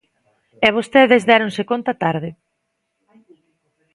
E vostedes déronse conta tarde.